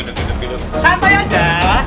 santai aja ya